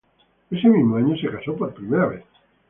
Ese mismo año se casó por primera vez.